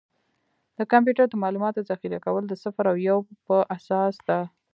د کمپیوټر د معلوماتو ذخیره کول د صفر او یو په اساس ده.